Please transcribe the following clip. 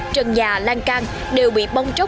trần nhà lan cang đều bị bông trốc